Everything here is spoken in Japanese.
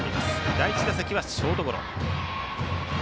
第１打席はショートゴロ。